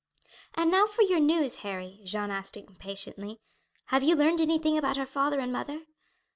"And now for your news, Harry," Jeanne asked impatiently; "have you learned anything about our father and mother?"